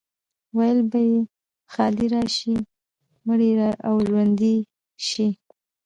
ویل به یې ښادي راشي، مړی او ژوندی شي.